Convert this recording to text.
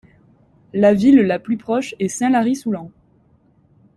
La ville la plus proche est Saint-Lary-Soulan.